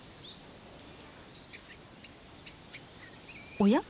おや？